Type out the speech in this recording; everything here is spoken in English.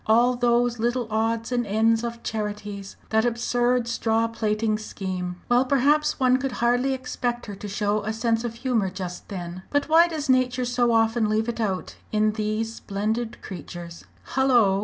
All those little odds and ends of charities that absurd straw plaiting scheme! Well, perhaps one could hardly expect her to show a sense of humour just then. But why does nature so often leave it out in these splendid creatures?" "Hullo!"